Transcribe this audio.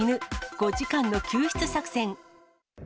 ５時間の救出作戦。